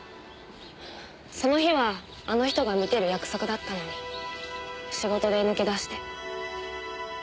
その日はあの人が見てる約束だったのに仕事で抜け出して。